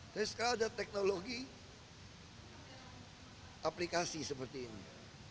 tapi sekarang ada teknologi aplikasi seperti ini